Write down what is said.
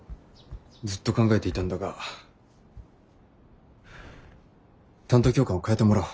ずっと考えていたんだが担当教官を替えてもらおう。